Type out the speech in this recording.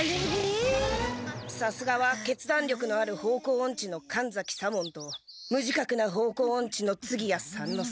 さすがはけつだんりょくのある方向オンチの神崎左門とむじかくな方向オンチの次屋三之助。